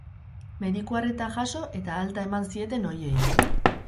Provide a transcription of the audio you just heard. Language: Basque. Mediku arreta jaso eta alta eman zieten horiei.